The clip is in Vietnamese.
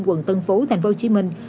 quận tân phú tp hcm